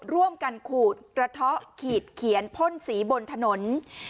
๖ร่วมกันขูดกระทะขีดเขียนพ่นสีบนถนน